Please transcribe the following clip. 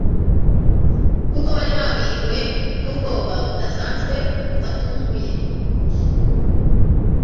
kuko bari bagwiririwe n'ubwoba budasanzwe, bubatunguye